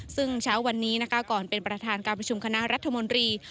ซึ่งเช้าวันนี้นะคะก่อนเป็นประธานการประชุมคณะรัฐมนตรี